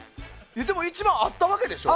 でも一番合ったわけでしょ。